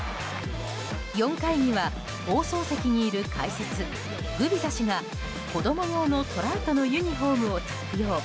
４回には放送席にいる解説グビザ氏が子供用のトラウトのユニホームを着用。